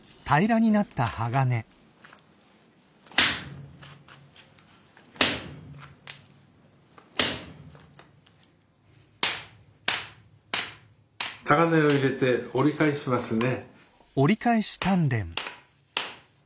たがねを入れて折り返しますね。